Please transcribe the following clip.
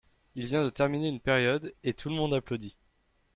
Il vient de terminer une période et tout le monde applaudit.